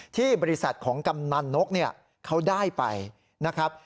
ที่บริษัทของกำนันนกเขาได้ไปนะครับ